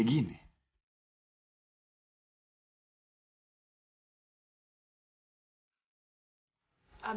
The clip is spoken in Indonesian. aku gak bisa bisa mencoba untuk mencoba kamu